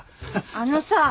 あのさあ。